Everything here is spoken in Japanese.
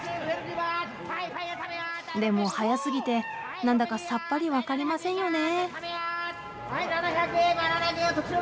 でも速すぎて何だかさっぱり分かりませんよね。